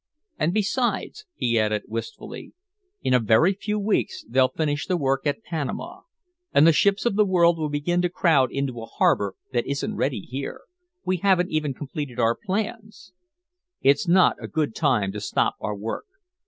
And besides," he added wistfully, "in a very few weeks they'll finish the work at Panama and the ships of the world will begin to crowd into a harbor that isn't ready here we haven't even completed our plans. It's not a good time to stop our work.